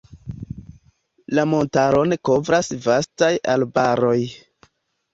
La montaron kovras vastaj arbaroj.